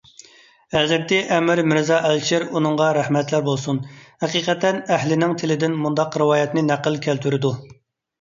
ھەزرىتى ئەمىر مىرزا ئەلىشىر -ئۇنىڭغا رەھمەتلەر بولسۇن- ھەقىقەت ئەھلىنىڭ تىلىدىن مۇنداق رىۋايەتنى نەقىل كەلتۈرىدۇ: